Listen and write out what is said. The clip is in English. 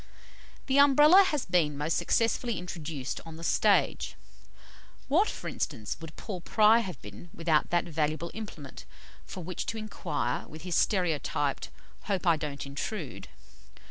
'" The Umbrella has been most successfully introduced on the stage. What, for instance, would Paul Pry have been without that valuable implement for which to inquire with his stereotyped "Hope I don't intrude?"